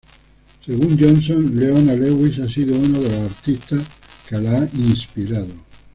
Según Johnson, Leona Lewis ha sido una de las artistas que la ha inspirado.